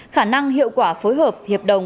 khả năng hiệu quả phối hợp hiệp đồng